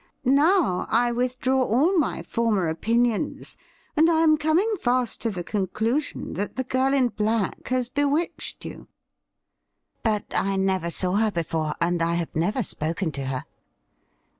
Now I withdraw all my former opinions, and I am coming fast to the conclusion that the girl in black has bewitched you.' ' But I never saw her before, and I have never spoken to her.'